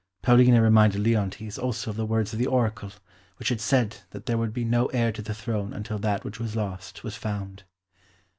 Paulina reminded Leontes also of the words of the Oracle, which had said that there would be no heir to the throne until that which was lost was found.